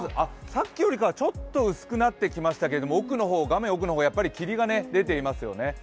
さっきよりはちょっと薄くなってきましたけど画面奥の方やっぱり霧が出ていますよね。